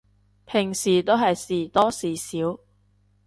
平時都係時多時少